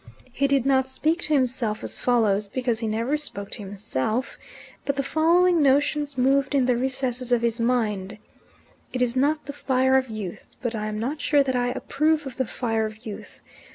He did not speak to himself as follows, because he never spoke to himself; but the following notions moved in the recesses of his mind: "It is not the fire of youth. But I am not sure that I approve of the fire of youth.